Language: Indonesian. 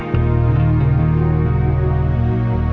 ya allah beri maaf